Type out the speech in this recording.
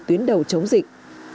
tuyến đầu chống dịch